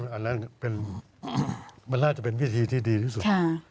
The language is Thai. อันนั้นมันน่าจะเป็นวิธีที่ดีที่สุด